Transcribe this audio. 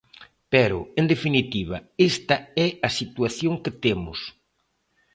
Pero, en definitiva, esta é a situación que temos.